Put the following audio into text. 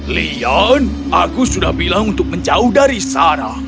lion aku sudah bilang untuk menjauh dari sana